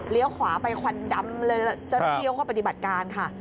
เลี้ยวขวาไปควันดำจะเที่ยวเข้าไปปฏิบัติการค่ะ